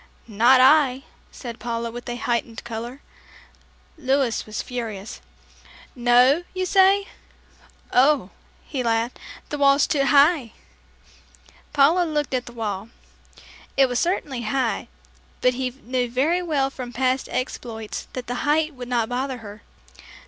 "Not I," said Paula, with a heightened color. Louis was furious. "No, you say? Oh," he laughed, "the wall's too high." Paula looked at the wall. It was certainly high, but he knew very well from past exploits that the height would not bother her.